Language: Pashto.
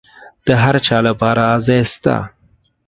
د هرچا لپاره ځای سته.